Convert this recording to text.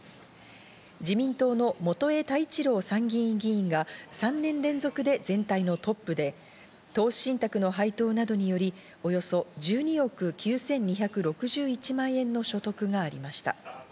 自民党の元栄太一郎参議院議員が３年連続で全体のトップで投資信託の配当などによりおよそ１２億９２６１万円の所得がありました。